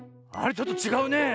ちょっとちがうねえ。